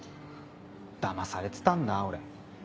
騙されてたんだ俺。